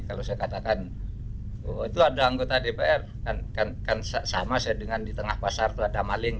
kalau saya katakan itu ada anggota dpr kan sama saya dengan di tengah pasar itu ada maling